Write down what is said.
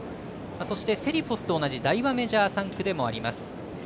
そして、セリフォスと同じダイワメジャー産駒でもあります。